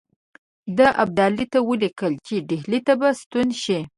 ده ابدالي ته ولیکل چې ډهلي ته به ستون شي.